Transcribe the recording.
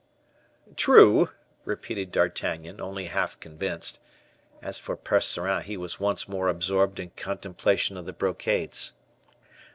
"True," repeated D'Artagnan, only half convinced. As for Percerin, he was once more absorbed in contemplation of the brocades.